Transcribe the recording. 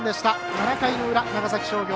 ７回の裏、長崎商業。